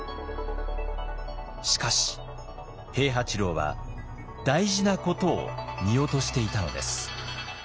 しかし平八郎は大事なことを見落としていたのです。